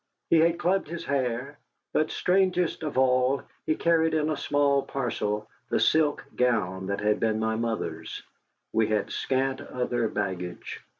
He had clubbed his hair. But, strangest of all, he carried in a small parcel the silk gown that had been my mother's. We had scant other baggage.